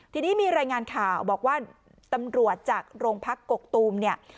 ทีนี้มีรายงานข่าวบอกว่าตำรวจจากโรงพักกกตูมเนี่ย